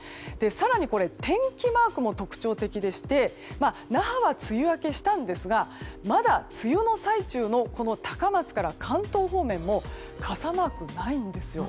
更に天気マークも特徴的でして那覇は梅雨明けしたんですがまだ梅雨の最中の高松から関東方面も傘マークがないんですよ。